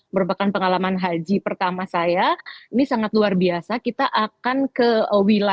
merupakan pengalaman haji pertama saya ini sangat luar biasa kita akan mengembalikan sumber haji di sekitar